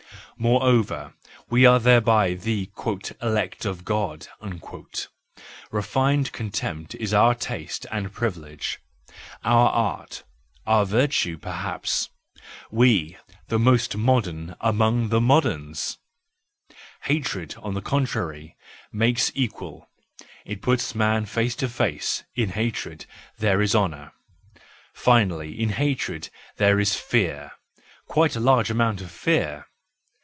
Moreover we are thereby the " elect of God ": refined con¬ tempt is our taste and privilege, our art, our virtue WE FEARLESS ONES 347 perhaps, we, the most modern amongst the moderns! ... Hatred, on the contrary, makes equal, it puts men face to face, in hatred there is honour; finally, in hatred there is fear , quite a large amount of fear.